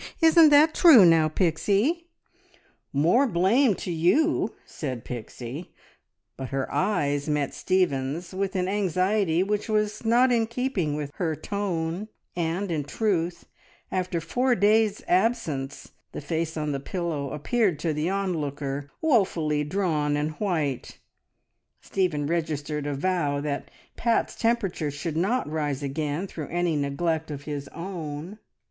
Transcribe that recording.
Isn't that true now, Pixie?" "More blame to, you!" said Pixie. But her eyes met Stephen's with an anxiety which was not in keeping with her tone, and, in truth, after four days' absence the face on the pillow appeared to the onlooker, woefully drawn and white, Stephen registered a vow that Pat's temperature should not rise again through any neglect of his own.